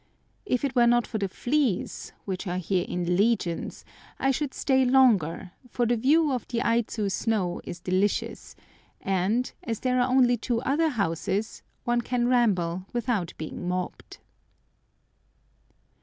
If it were not for the fleas, which are here in legions, I should stay longer, for the view of the Aidzu snow is delicious, and, as there are only two other houses, one can ramble without being mobbed.